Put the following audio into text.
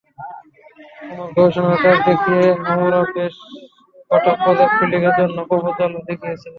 আমার গবেষণার কাজ দেখিয়ে আমরা বেশ কটা প্রজেক্ট ফান্ডিংয়ের জন্য প্রপোজালও লিখেছিলাম।